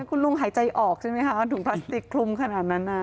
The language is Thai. คุณลุงหายใจออกใช่ไหมคะถุงพลาสติกคลุมขนาดนั้น